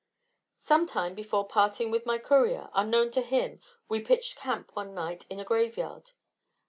Sometime before parting with my courier, unknown to him we pitched camp one dark night in a graveyard.